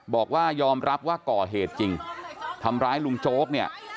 บอกว่ายอมรับว่าก่อเหตุจริงทำร้ายลุงโจ๊กเนี่ย